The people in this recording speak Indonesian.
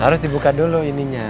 harus dibuka dulu ininya